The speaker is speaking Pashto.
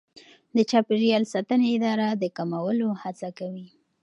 د چاپیریال ساتنې اداره د کمولو هڅه کوي.